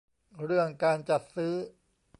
เรื่องการจัดซื้อ